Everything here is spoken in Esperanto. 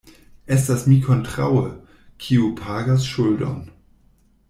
Estas mi kontraŭe, kiu pagas ŝuldon.